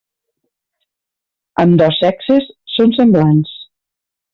Ambdós sexes són semblants.